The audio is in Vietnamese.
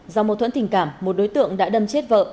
do mâu thuẫn tình cảm một đối tượng đã đâm chết vợ